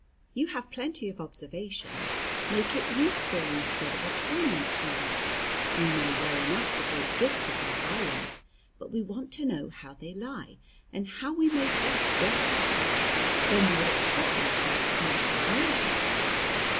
You have plenty of observation; make it useful instead of a torment to you. We know well enough the great gifts of that island, but we want to know how they lie, and how we may best get at them." "Then you would expect me to make commercial arrangements?"